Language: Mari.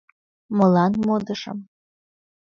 — Молан модышым!